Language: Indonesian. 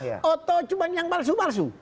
atau cuma yang palsu palsu